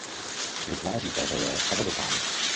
Vytváří peřeje a vodopády.